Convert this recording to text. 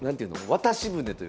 渡し船というか。